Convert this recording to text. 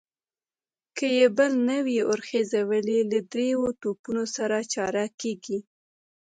که يې بل نه وي ور خېژولی، له درېيو توپونو سره چاره کېږي.